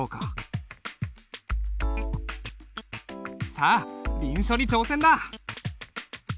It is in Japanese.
さあ臨書に挑戦だ！